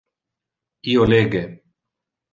Io lege.